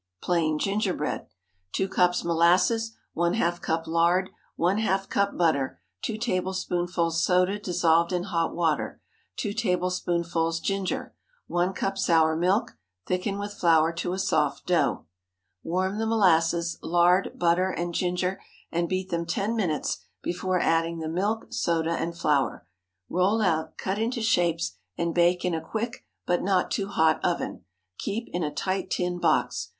PLAIN GINGERBREAD. 2 cups molasses. ½ cup lard. ½ cup butter. 2 tablespoonfuls soda dissolved in hot water. 2 tablespoonfuls ginger. 1 cup sour milk. Thicken with flour to a soft dough. Warm the molasses, lard, butter, and ginger, and beat them ten minutes before adding the milk, soda, and flour. Roll out, cut into shapes, and bake in a quick, but not too hot oven. Keep in a tight tin box.